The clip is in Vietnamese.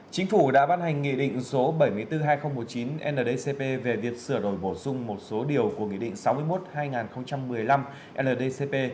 chính phủ đã ban hành nghị định số bảy trăm bốn mươi hai nghìn một mươi chín ndcp về việc sửa đổi bổ sung một số điều của nghị định sáu mươi một hai nghìn một mươi năm ndcp